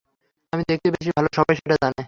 আমি দেখতে বেশি ভালো, সবাই সেটা জানে।